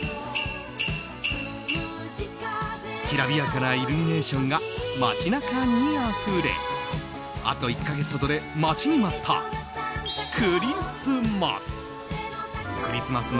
きらびやかなイルミネーションが街なかにあふれあと１か月ほどで待ちに待ったクリスマス。